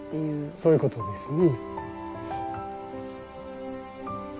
そういうことですね。